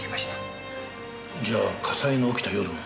じゃあ火災の起きた夜も。